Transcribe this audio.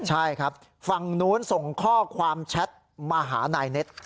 ใช่ครับฝั่งนู้นส่งข้อความแชทมาหานายเน็ต